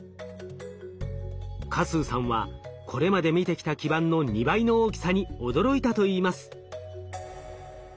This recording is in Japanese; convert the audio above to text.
嘉数さんはこれまで見てきた基板の２倍の大きさに驚いたといいます。